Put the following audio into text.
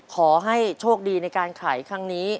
ขอให้โชคดีในการขายครั้งนี้